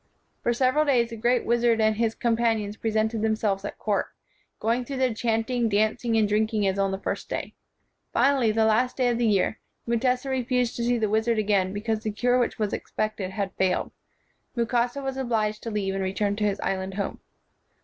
For several days the great wizard and his 133 WHITE MAN OF WORK companions presented themselves at court, going through their chanting, dancing, and drinking as on the first day. Finally, the last day of the year, Mutesa refused to see the wizard again because the cure which was expected had failed. Mukasa was obliged to leave and return to his island home.